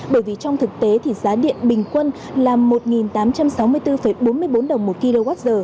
bởi vì trong thực tế thì giá điện bình quân là một tám trăm sáu mươi bốn bốn mươi bốn đồng một kwh